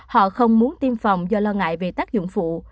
họ không muốn tiêm phòng do lo ngại về tác dụng phụ